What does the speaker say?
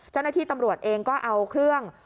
เจ้าหน้าที่ตำรวจเองก็เอาเครื่อง